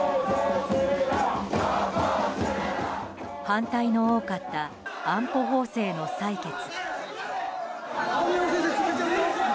反対の多かった安保法制の採決。